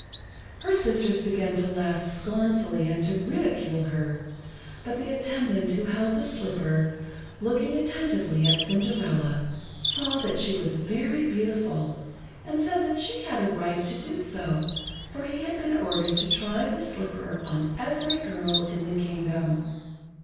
Her sisters began to laugh scornfully and to ridicule her; but the attendant who held the slipper, looking attentively at Cinderella, saw that she was very beautiful, and said that she had a right to do so, for he had been ordered to try the slipper on every girl in the Kingdom.